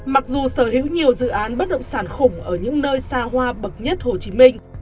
mặc dù sở hữu nhiều dự án bất động sản khủng ở những nơi xa hoa bậc nhất hồ chí minh